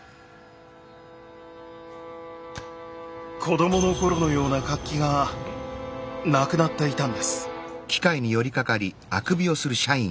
子どもの頃のような活気がなくなっていたんです。